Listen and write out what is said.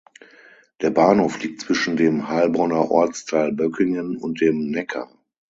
Der Bahnhof liegt zwischen dem Heilbronner Ortsteil Böckingen und dem Neckar.